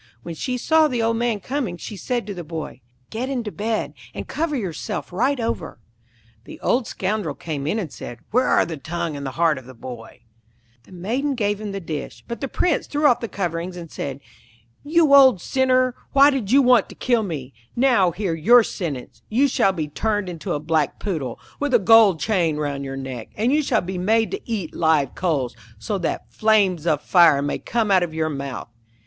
When she saw the old man coming she said to the boy, 'Get into bed, and cover yourself right over.' The old scoundrel came in and said, 'Where are the tongue and the heart of the boy?' [Illustration: The scullions brought live coals, which he had to eat till the flames poured out of his mouth.] The Maiden gave him the dish; but the Prince threw off the coverings, and said, 'You old sinner, why did you want to kill me? Now hear your sentence. You shall be turned into a black Poodle, with a gold chain round your neck, and you shall be made to eat live coals, so that flames of fire may come out of your mouth.'